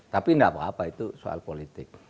tapi nggak apa apa itu soal politik